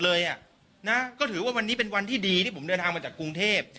เลยนะก็ถือว่าวันนี้เป็นวันที่ดีที่ผมเดินทางมาจากกรุงเทพ